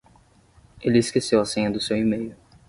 Ele esqueceu a senha do seu e-mail.